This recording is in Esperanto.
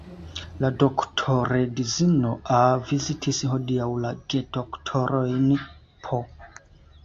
La doktoredzino A. vizitis hodiaŭ la gedoktorojn P.